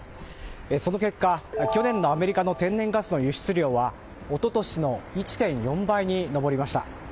その結果、去年のアメリカの天然ガスの輸出量は一昨年の１．４倍に上りました。